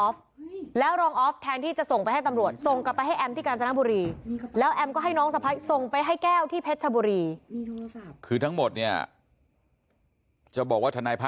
เบื้องหลังอย่างเงี้ยเหรอก็บิ๊กโจ๊กบอกว่า